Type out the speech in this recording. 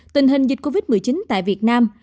tình hình dịch covid một mươi chín tại việt nam